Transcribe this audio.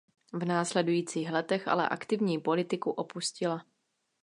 V následujících letech ale aktivní politiku opustila.